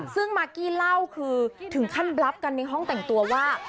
ซึ่งมากกี้เล่าคือถึงขั้นบรับกันในห้องแต่งตัวว่า